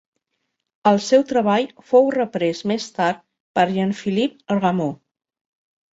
El seu treball fou reprès més tard per Jean-Philippe Rameau.